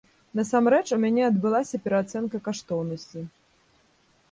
Насамрэч, у мяне адбылася пераацэнка каштоўнасцяў.